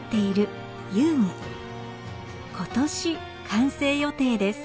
今年完成予定です。